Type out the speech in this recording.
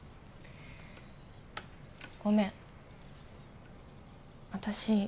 ごめん私